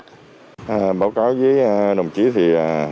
thưa đồng chí